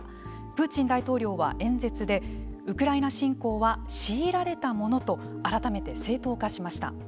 プーチン大統領は演説でウクライナ侵攻は強いられたものと改めて正当化しました。